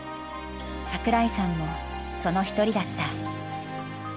桜井さんもその一人だった。